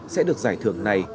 sẽ được giải thưởng này